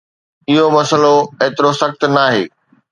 اهو مسئلو ايترو سخت ناهي